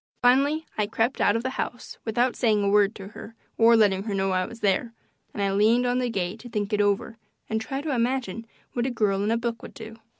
Finally I crept out of the house without saying a word to her or letting her know I was there, and I leaned on the gate to think it over and try to imagine what a girl in a book would do.